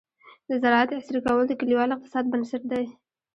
د زراعت عصري کول د کليوال اقتصاد بنسټ دی.